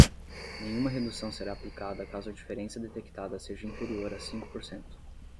Nenhuma redução será aplicada caso a diferença detectada seja inferior a cinco por cento.